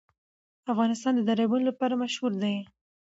افغانستان د دریابونه لپاره مشهور دی.